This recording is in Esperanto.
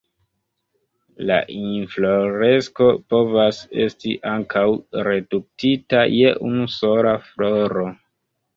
La infloresko povas esti ankaŭ reduktita je unu sola floro.